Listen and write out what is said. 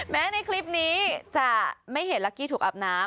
ในคลิปนี้จะไม่เห็นลักกี้ถูกอาบน้ำ